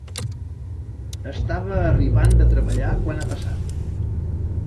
Estava arribant de treballar quan ha passat.